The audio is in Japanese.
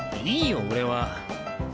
いいよ俺は。